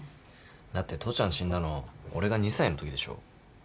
だって父ちゃん死んだの俺が２歳のときでしょ？